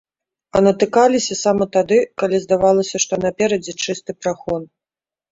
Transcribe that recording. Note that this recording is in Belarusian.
А натыкаліся сама тады, калі здавалася, што наперадзе чысты прахон.